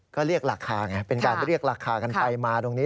ก็เรียกราคาไงเป็นการเรียกราคากันไปมาตรงนี้